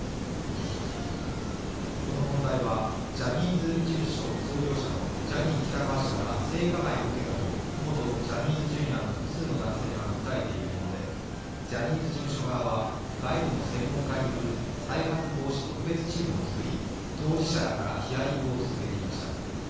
この問題はジャニーズ事務所創業者のジャニー喜多川氏から性加害を受けたと元ジャニーズＪｒ．の複数の男性が訴えているものでジャニーズ事務所側は外部の専門家による再発防止特別チームをつくり、当事者らからヒアリングを続けていました。